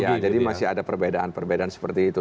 ya jadi masih ada perbedaan perbedaan seperti itu